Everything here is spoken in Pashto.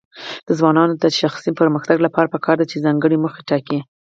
د ځوانانو د شخصي پرمختګ لپاره پکار ده چې ځانګړي موخې ټاکي.